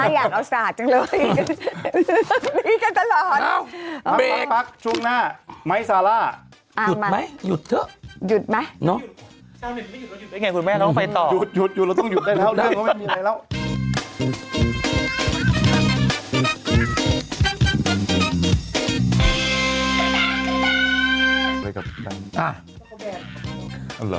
หยุดเราต้องหยุดได้แล้วเรื่องเราไม่มีอะไรแล้ว